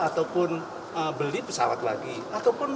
atau mungkin barangkali membangun hotel di adina dan mekah di sana